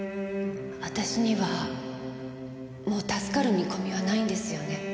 私にはもう助かる見込みはないんですよね？